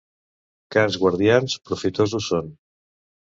Cans guardians, profitosos són.